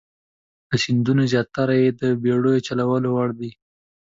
د سیندونو زیاتره یې د بیړیو چلولو وړ دي.